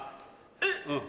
えっ⁉